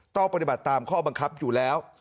ต้องปฏิบัติตามข้อบังคับอยู่แล้ว